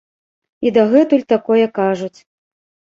І дагэтуль такое кажуць.